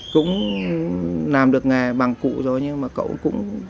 cũng làm được nghề bằng cụ rồi nhưng mà cậu cũng